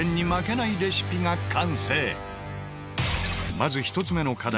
まず１つ目の課題